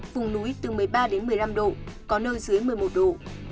vùng núi từ một mươi ba đến một mươi năm độ có nơi dưới một mươi một độ